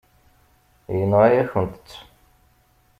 Yenɣa-yakent-tt.